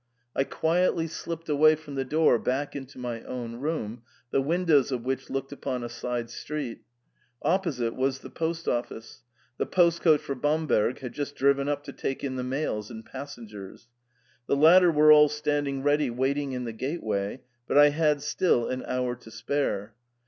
I quietly slipped away from the door back into my own room, the windows of which looked upon a side street. Opposite was the post office ; the post coach for Bam berg had just driven up to take in the mails and passengers. The latter were all standing ready wait ing in the gateway, but I had still an hour to spare.